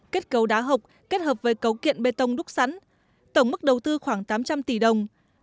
kết cấu đá hộc kết hợp với cấu kiện bê tông đúc sẵn tổng mức đầu tư khoảng tám trăm linh tỷ đồng